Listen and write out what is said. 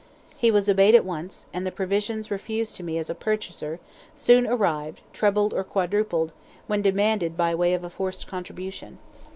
He was obeyed at once, and the provisions refused to me as a purchaser soon arrived, trebled or quadrupled, when demanded by way of a forced contribution.